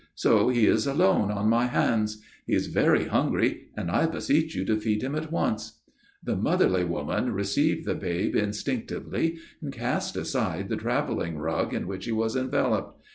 So he is alone on my hands. He is very hungry, and I beseech you to feed him at once." The motherly woman received the babe instinctively and cast aside the travelling rug in which he was enveloped.